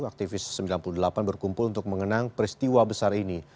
aktivis sembilan puluh delapan berkumpul untuk mengenang peristiwa besar ini